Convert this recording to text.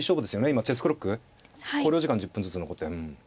今チェスクロック考慮時間１０分ずつ残ってうん。